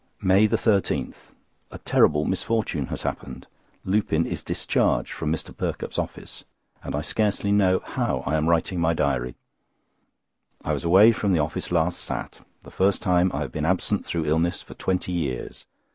MAY 13.—A terrible misfortune has happened: Lupin is discharged from Mr. Perkupp's office; and I scarcely know how I am writing my diary. I was away from office last Sat., the first time I have been absent through illness for twenty years.